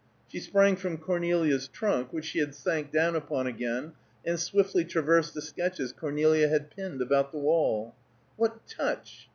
She sprang from Cornelia's trunk, which she had sank down upon again, and swiftly traversed the sketches Cornelia had pinned about the wall. "What touch!